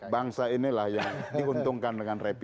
bangsa inilah yang diuntungkan dengan revisi